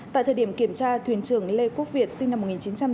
tại thời điểm kiểm tra thuyền trưởng lê quốc việt sinh năm một nghìn chín trăm tám mươi